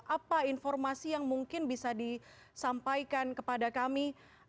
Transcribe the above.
apa informasi yang mungkin bisa disampaikan kepada kami